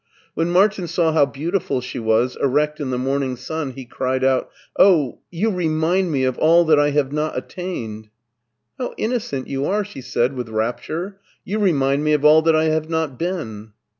When Martin saw how beautiful she was erect in the morning sun he cried out : "Oh, you remind me of all that I have not attained!" " How innocent you are !" she said with rapture ;" you remind me of all that I have not been."